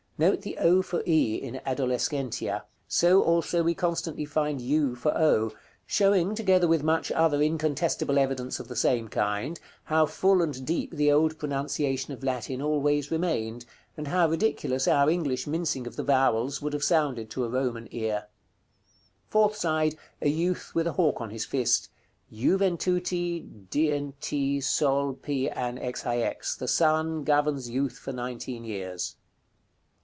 Note the o for e in adolescentia; so also we constantly find u for o; showing, together with much other incontestable evidence of the same kind, how full and deep the old pronunciation of Latin always remained, and how ridiculous our English mincing of the vowels would have sounded to a Roman ear. Fourth side. A youth with a hawk on his fist. "IUVENTUTI DNT SOL. P. AN. XIX." The son governs youth for nineteen years.